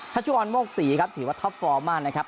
ชุออนโมกศรีครับถือว่าท็อปฟอร์มมากนะครับ